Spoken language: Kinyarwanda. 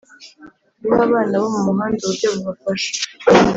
Guha abana bo muhanda uburyo bubafasha